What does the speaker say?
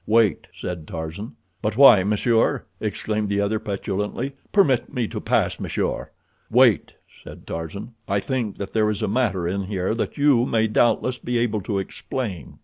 "Wait," said Tarzan. "But why, monsieur?" exclaimed the other petulantly. "Permit me to pass, monsieur." "Wait," said Tarzan. "I think that there is a matter in here that you may doubtless be able to explain."